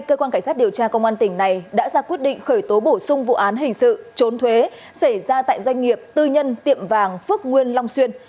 cơ quan cảnh sát điều tra công an tỉnh này đã ra quyết định khởi tố bổ sung vụ án hình sự trốn thuế xảy ra tại doanh nghiệp tư nhân tiệm vàng phước nguyên long xuyên